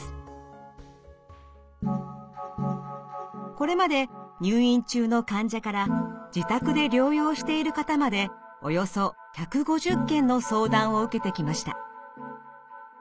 これまで入院中の患者から自宅で療養している方までおよそ１５０件の相談を受けてきました。